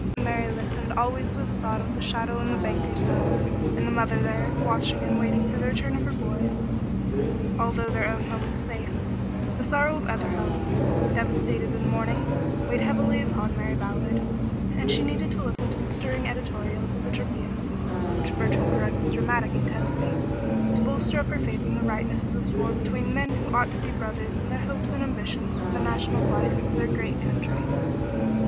Mary listened always with a thought of the shadow in the banker's home, and the mother there, watching and waiting for the return of her boy. Although their own home was safe, the sorrow of other homes, devastated and mourning, weighed heavily upon Mary Ballard, and she needed to listen to the stirring editorials of the Tribune, which Bertrand read with dramatic intensity, to bolster up her faith in the rightness of this war between men who ought to be brothers in their hopes and ambitions for the national life of their great country.